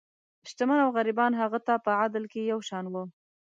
شتمن او غریبان هغه ته په عدل کې یو شان وو.